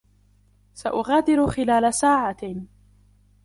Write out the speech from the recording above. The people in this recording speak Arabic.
سأغادر خلال ساعة.